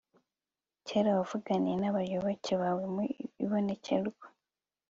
kera wavuganiye n'abayoboke bawe mu ibonekerwa